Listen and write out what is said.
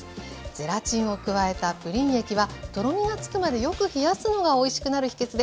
ゼラチンを加えたプリン液はとろみがつくまでよく冷やすのがおいしくなる秘けつです。